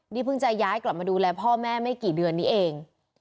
นี่เพิ่งจะย้ายกลับมาดูแลพ่อแม่ไม่กี่เดือนนี้เอง